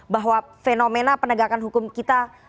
bahwa fenomena penegakan hukum kita